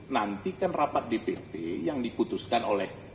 nantikan rapat dpt yang diputuskan oleh